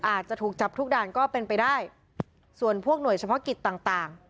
อาจจะถูกจับทุกด่านก็เป็นไปได้ส่วนพวกหน่วยเฉพาะกิจต่างต่าง